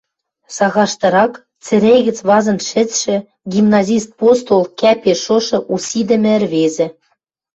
Сагаштырак цӹре гӹц вазын шӹцшӹ, гимназист постол, кӓпеш шошы, усидӹмӹ ӹрвезӹ